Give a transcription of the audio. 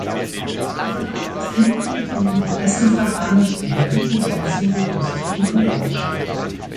Der Verband ist Mitglied im Interessenverband Energieintensive Industrien in Deutschland.